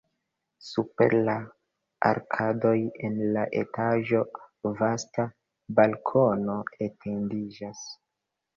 Super la arkadoj en la etaĝo vasta balkono etendiĝas.